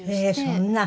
そんな？